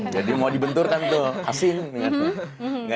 jadi mau dibenturkan tuh asing